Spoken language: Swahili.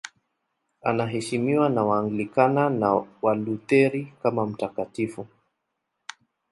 Anaheshimiwa na Waanglikana na Walutheri kama mtakatifu.